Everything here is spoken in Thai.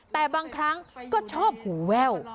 แต่บางครั้งก็ชอบหูแว่ว